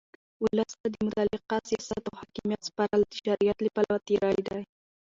اولس ته د مطلقه سیاست او حاکمیت سپارل د شریعت له پلوه تېرى دئ.